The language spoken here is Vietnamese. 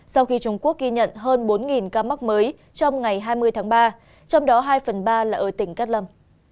sau khi trung quốc ghi nhận hơn bốn ca mắc mới trong ngày hai mươi tháng ba trong đó hai phần ba là ở tỉnh cát lâm